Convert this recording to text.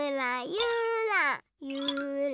ゆらゆら。